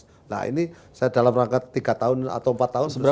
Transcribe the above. nah ini saya dalam rangka tiga tahun atau empat tahun sebenarnya